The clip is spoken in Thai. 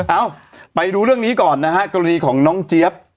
เอ้าไปดูเรื่องนี้ก่อนนะฮะกรณีของน้องเจี๊ยบ